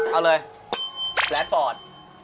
เอาเลยแลตฟอร์ด